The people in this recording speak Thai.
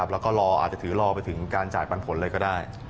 แล้วก็รออาจจะถือรอไปถึงการจ่ายปันผลเลยก็ได้